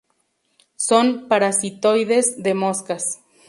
Son parasitoides de moscas.